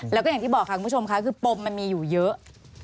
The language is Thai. แล้วก็อย่างที่บอกค่ะคุณผู้ชมค่ะคือปมมันมีอยู่เยอะ